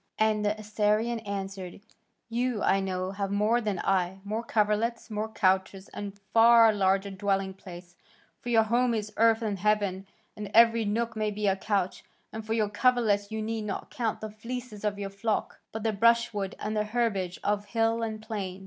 And the Assyrian answered, "You, I know, have more than I, more coverlets, more couches, and a far larger dwelling place, for your home is earth and heaven, and every nook may be a couch, and for your coverlets you need not count the fleeces of your flocks, but the brushwood, and the herbage of hill and plain."